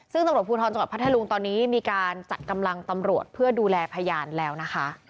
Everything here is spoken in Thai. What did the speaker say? ซึ่งตำรวจภูทรจังหวัดพัทธรุงตอนนี้มีการจัดกำลังตำรวจเพื่อดูแลพยานแล้วนะคะ